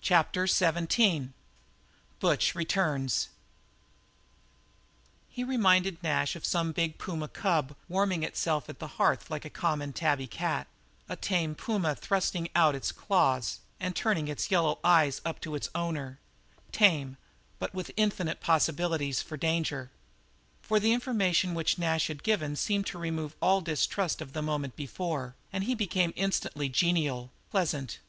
CHAPTER XVII BUTCH RETURNS He reminded Nash of some big puma cub warming itself at a hearth like a common tabby cat, a tame puma thrusting out its claws and turning its yellow eyes up to its owner tame, but with infinite possibilities of danger. For the information which Nash had given seemed to remove all his distrust of the moment before and he became instantly genial, pleasant.